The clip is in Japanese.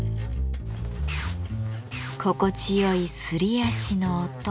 心地よいすり足の音。